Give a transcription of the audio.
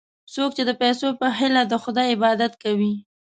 څوک چې د پیسو په هیله د خدای عبادت کوي.